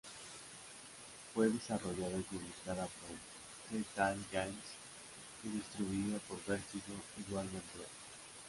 Fue desarrollada y publicada por Telltale Games y distribuida por Vertigo y Warner Bros.